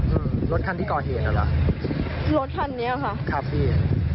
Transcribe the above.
อืมรถคันที่ก่อเหตุเหรอรถคันนี้ค่ะครับพี่